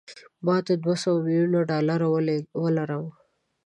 ما دوه سوه میلیونه ډالره ولرم.